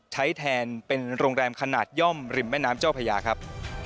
ใช้แทนเป็นโรงแรมขนาดย่อมริมแม่น้ำเจ้าพญาครับ